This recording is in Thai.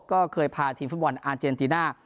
ก็เคยพาทีมฟุตบอลอาเจนติน่า